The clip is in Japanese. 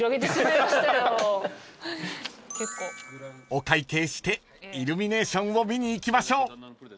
［お会計してイルミネーションを見に行きましょう］